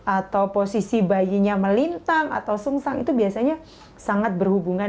atau posisi bayinya melintang atau sungsang itu biasanya sangat berhubungan